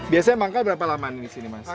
biasanya manggal berapa lama di sini mas